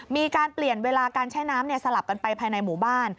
มีการเปลี่ยนเวลาการใช้น้ำสลับกันไปภายในหมู่บ้าน